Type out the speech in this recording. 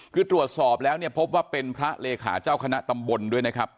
คือตรวจสอบแล้วเนี่ยพบว่าเป็นพระเลขาเจ้าคณะตำบลด้วยนะครับ